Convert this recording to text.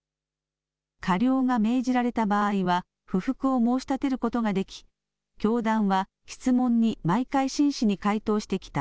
過料が命じられた場合は、不服を申し立てることができ、教団は質問に毎回真摯に回答してきた。